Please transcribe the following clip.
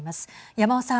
山尾さん。